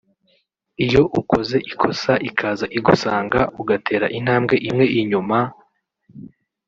iyo ukoze ikosa ikaza igusanga ugatera intambwe imwe inyuma